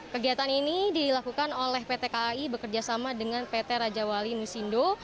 kegiatan ini dilakukan oleh pt kai bekerjasama dengan pt raja wali nusindo